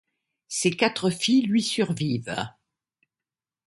Ses quatre filles lui survivent.